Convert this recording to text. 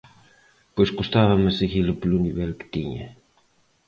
Pois custábame seguilo polo nivel que tiña.